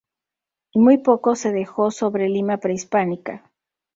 Muy poco se dejó sobre Lima prehispánica.